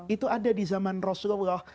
itu ada di zaman rasulullah